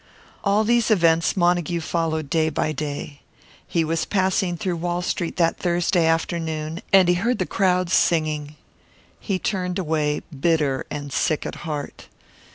All these events Montague followed day by day. He was passing through Wall Street that Thursday afternoon, and he heard the crowds singing. He turned away, bitter and sick at heart.